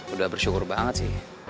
udah bersyukur banget sih